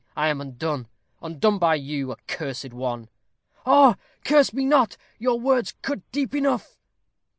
I am undone, undone by you, accursed one." "Oh, curse me not! your words cut deep enough."